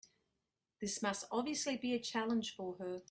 This must obviously be a challenge for her.